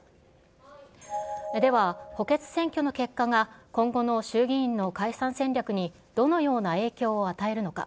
では、補欠選挙の結果が今後の衆議院の解散戦略にどのような影響を与えるのか。